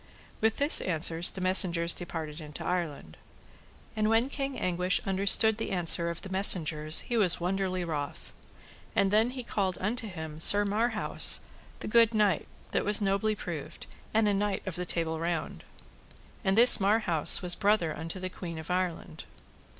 With this answer the messengers departed into Ireland. And when King Anguish understood the answer of the messengers he was wonderly wroth. And then he called unto him Sir Marhaus, the good knight, that was nobly proved, and a Knight of the Table Round. And this Marhaus was brother unto the queen of Ireland.